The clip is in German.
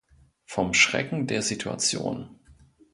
Vom Schrecken der Situation".